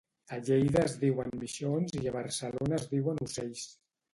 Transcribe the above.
A Lleida es diuen mixons i a Barcelona es diuen ocells